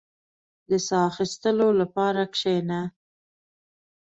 • د ساه اخيستلو لپاره کښېنه.